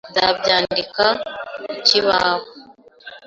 Nzabyandika ku kibaho.